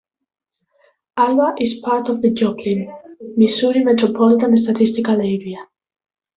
Alba is part of the Joplin, Missouri Metropolitan Statistical Area.